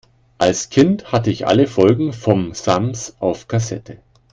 Als Kind hatte ich alle Folgen vom Sams auf Kassette.